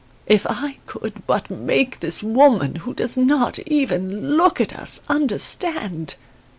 "If I could but make this woman, who does not even look at us, understand!